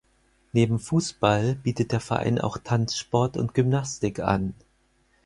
Neben Fußball bietet der Verein auch Tanzsport und Gymnastik an.